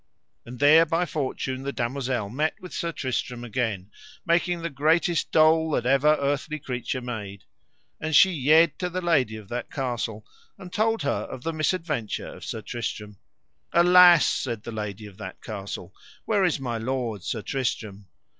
And there by fortune the damosel met with Sir Tristram again, making the greatest dole that ever earthly creature made; and she yede to the lady of that castle and told her of the misadventure of Sir Tristram. Alas, said the lady of that castle, where is my lord, Sir Tristram?